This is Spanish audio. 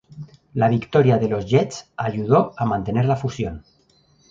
La victoria de los Jets ayudó a mantener la fusión.